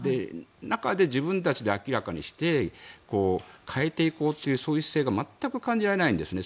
中で、自分たちで明らかにして変えていこうっていう姿勢が全く感じられないんですね。